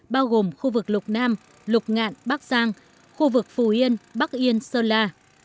bao gồm khu vực lục nam lục ngạn bắc giang khu vực phù yên bắc yên sơn la